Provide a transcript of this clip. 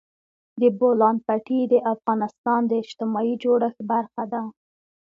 د بولان پټي د افغانستان د اجتماعي جوړښت برخه ده.